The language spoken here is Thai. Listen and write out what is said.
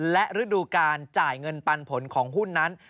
และฤดูการจ่ายเงินปันผลของหุ้นนั้น